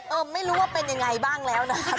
ไม่รู้ว่าเป็นยังไงบ้างแล้วนะ